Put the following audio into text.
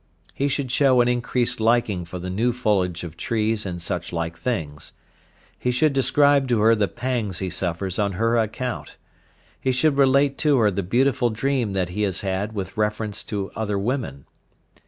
He should show an increased liking for the new foliage of trees and such like things. He should describe to her the pangs he suffers on her account. He should relate to her the beautiful dream that he has had with reference to other women.